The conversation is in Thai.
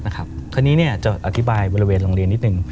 คราวนี้จะอธิบายบริเวณโรงเรียนนิดนึง